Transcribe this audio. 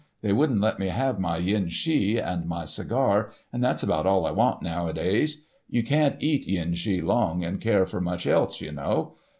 They wouldn't let me have my yen shee and my cigar, and that's about all I want nowadays. You can't eat yen shee long and care for much else, you know.